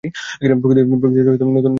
প্রকৃতিতে নতুন প্রাণের সৃষ্টি হয়।